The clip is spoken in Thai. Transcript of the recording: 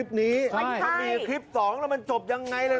ต่อยกูทำไม